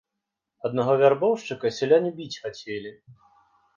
Аднаго вярбоўшчыка сяляне біць хацелі.